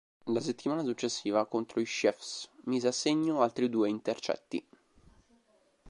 La settimana successiva contro i Chiefs mise a segno altri due intercetti.